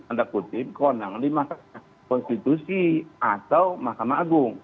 anda kutip konon di mahkamah konstitusi atau mahkamah agung